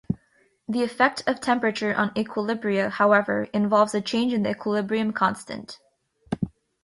The effect of temperature on equilibria, however, involves a change in the equilibrium constant.